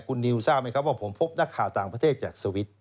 คุณนิวทราบไหมครับว่าผมพบนักข่าวต่างประเทศจากสวิตช์